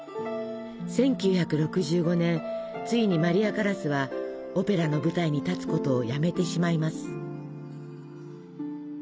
１９６５年ついにマリア・カラスはオペラの舞台に立つことをやめてしまいます。